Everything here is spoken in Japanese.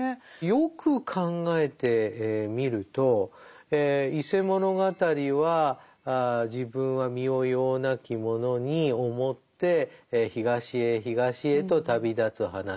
よく考えてみると「伊勢物語」は自分は身をようなき者に思って東へ東へと旅立つ話。